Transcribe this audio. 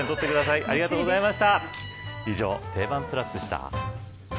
ありがとうございます。